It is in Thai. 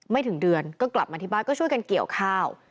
ถึงเดือนก็กลับมาที่บ้านก็ช่วยกันเกี่ยวข้าว